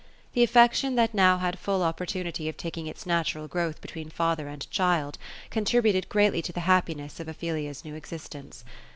The affection that now had full opportunity of taking its natural growth between father and child, contributed greatly to the happiness of Ophelia's new existence.